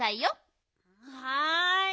はい。